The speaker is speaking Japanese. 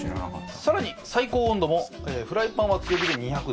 更に最高温度もフライパンは強火で２００度。